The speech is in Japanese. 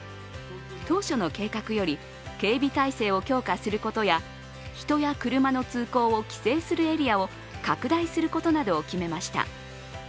当初の計画より、警備態勢を強化することや人や車の通行を規制するエリアなどを拡大することを決めました。